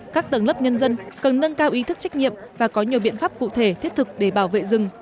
các tầng lớp nhân dân cần nâng cao ý thức trách nhiệm và có nhiều biện pháp cụ thể thiết thực để bảo vệ rừng